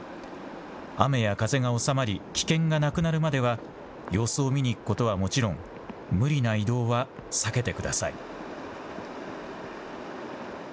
雨や風が収まり危険がなくなるまでは様子を見に行くことはもちろん、無理な移動は避けてください。